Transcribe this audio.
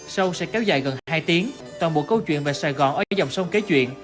sâu sẽ kéo dài gần hai tiếng toàn bộ câu chuyện về sài gòn ở dòng sông kế chuyện